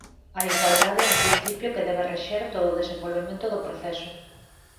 A igualdade é un principio que debe rexer todo o desenvolvemento do proceso.